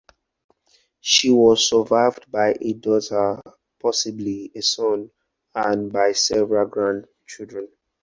She was survived by a daughter, possibly a son, and by several grandchildren.